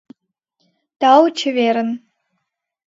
Тау, чеверын!